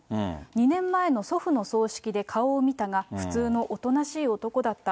２年前の祖父の葬式で顔を見たが、普通のおとなしい男だった。